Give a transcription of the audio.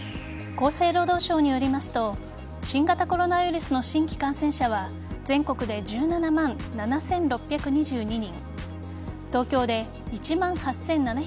厚生労働省によりますと新型コロナウイルスの新規感染者は全国で１７万７６２２人